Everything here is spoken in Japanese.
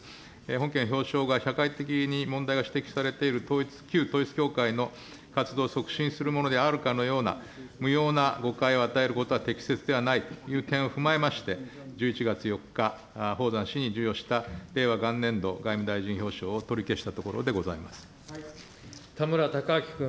本件表彰が社会的に問題が指摘されている旧統一教会の活動促進するかであるような、無用な誤解を与えることは適切ではないという点を踏まえまして、１１月４日、宝山氏に授与した令和元年度外務大臣表彰を取り消したところでご田村貴昭君。